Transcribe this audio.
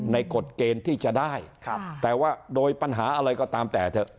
กฎเกณฑ์ที่จะได้แต่ว่าโดยปัญหาอะไรก็ตามแต่เถอะ